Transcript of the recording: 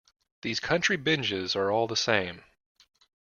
These country binges are all the same.